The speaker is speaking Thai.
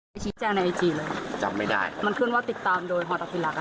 มีการคาที่แจ้งบริธียอดเดียว๕๐๐๐๐บาทเลย